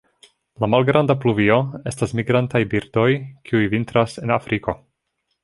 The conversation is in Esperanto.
La Malgranda pluvio estas migrantaj birdoj kiuj vintras en Afriko.